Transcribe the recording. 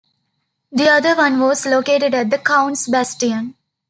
The other one was located at the Count's Bastion.